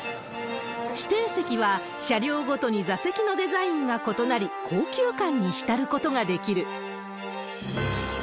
指定席は、車両ごとに座席のデザインが異なり、高級感に浸ることができる。